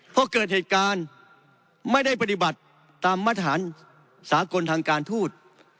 พอเกิดเหตุการณ์ไม่ได้ปฏิบัติตามมาตรฐานสากลทางการทูต